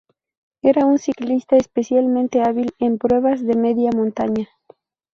Era un ciclista especialmente hábil en pruebas de media montaña.